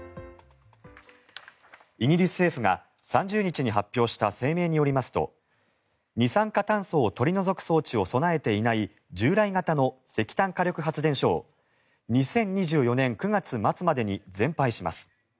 イギリス政府が３０日に発表した声明によりますと二酸化炭素を取り除く装置を備えていない従来型の石炭火力発電所を２０２４年９月末までに全廃します。